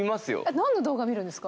なんの動画見るんですか。